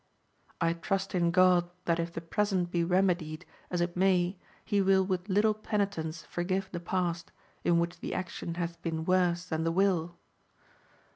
I trust in God that if the present be remedied, as it may, he will with Httle penitence forgive the past, in which the action hath been worse than the will.